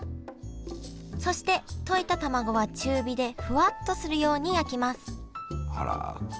そして溶いたたまごは中火でふわっとするように焼きますあら。